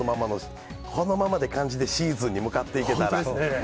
このままで、感じで、シーズンに向かっていけたらと。